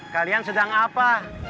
kalian sedang apa